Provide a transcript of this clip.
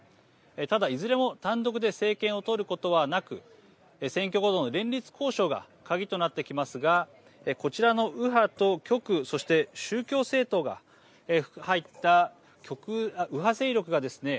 ただ、いずれも単独で政権を取ることはなく選挙後の連立交渉が鍵となってきますがこちらの右派と極右そして宗教政党が入った右派勢力がですね